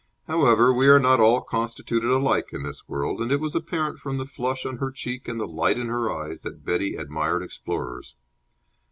However, we are not all constituted alike in this world, and it was apparent from the flush on her cheek and the light in her eyes that Betty admired explorers.